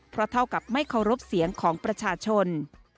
เพราะเท่ากับไม่เคารพเสียงของประชาชน